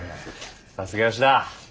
さすが吉田！